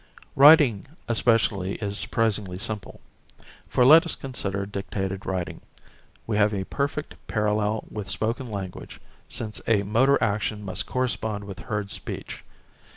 Writing especially is surprisingly simple. For let us consider dictated writing: we have a perfect parallel with spoken language since a motor action must correspond with heard speech.